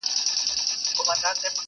زه دي لکه سیوری درسره یمه پل نه لرم!!